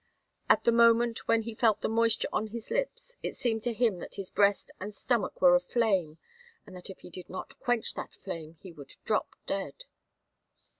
At the moment when he felt the moisture on his lips it seemed to him that his breast and stomach were aflame and that if he did not quench that flame he would drop dead.